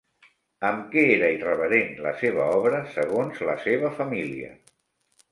Amb què era irreverent la seva obra segons la seva família?